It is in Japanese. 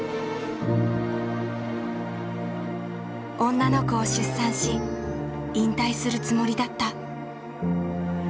女の子を出産し引退するつもりだった。